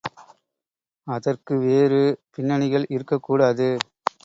அதற்கு வேறு பின்னணிகள் இருக்கக்கூடாது.